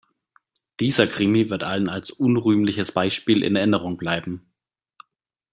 Dieser Krimi wird allen als unrühmliches Beispiel in Erinnerung bleiben.